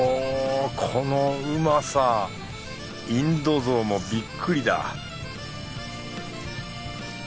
このうまさインドゾウもびっくりだ